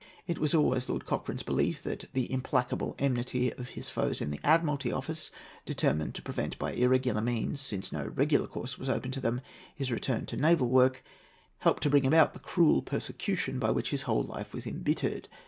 It was always Lord Cochrane's belief that the implacable enmity of his foes in the Admiralty Office—determined to prevent by irregular means, since no regular course was open to them, his return to naval work—helped to bring about the cruel persecution by which his whole life was embittered.